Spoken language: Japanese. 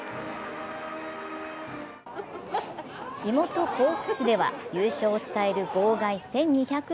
地元・甲府市では、優勝を伝える号外１２００